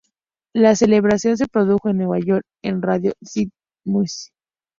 La celebración se produjo en New York en el Radio City Music Hall.